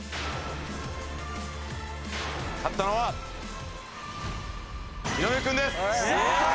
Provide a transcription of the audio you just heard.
勝ったのは井上君です！